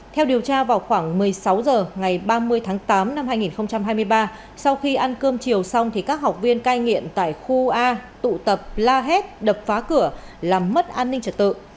theo điều tra vào khoảng một mươi sáu h ngày ba mươi tháng tám năm hai nghìn hai mươi ba sau khi ăn cơm chiều xong thì các học viên cai nghiện tại khu a tụ tập la hét đập phá cửa làm mất an ninh trật tự